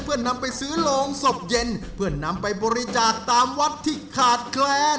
เพื่อนำไปซื้อโรงศพเย็นเพื่อนำไปบริจาคตามวัดที่ขาดแคลน